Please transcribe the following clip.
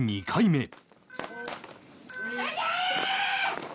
２回目。